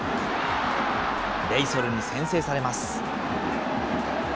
レイソルに先制されます。